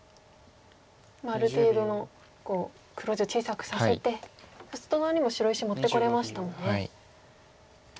ある程度の黒地を小さくさせて外側にも白石持ってこれましたもんね。